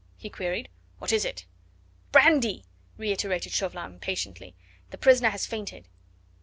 he queried. "What is it?" "Brandy," reiterated Chauvelin impatiently; "the prisoner has fainted."